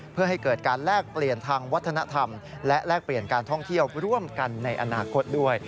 เพื่อให้เกิดการแลกเปลี่ยนทางวัฒนธรรมและแลกเปลี่ยนการท่องเที่ยวร่วมกันในอนาคตด้วย